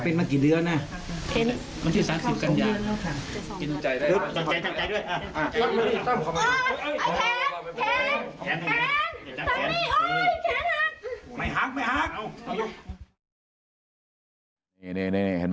นี่เห็นไหม